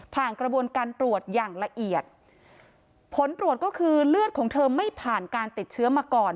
กระบวนการตรวจอย่างละเอียดผลตรวจก็คือเลือดของเธอไม่ผ่านการติดเชื้อมาก่อน